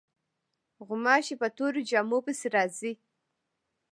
غوماشې په تورو جامو پسې راځي.